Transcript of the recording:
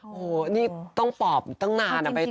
โอ้โฮนี่ต้องปอบตั้งนานอะไปต่อ